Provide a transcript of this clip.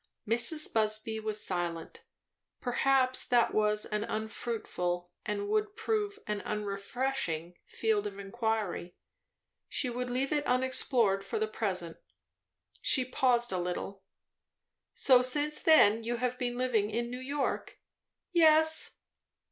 Mrs. Busby was silent. Perhaps that was an unfruitful, and would prove an unrefreshing, field of inquiry. She would leave it unexplored for the present. She paused a little. "So since then you have been living in New York?" "Yes."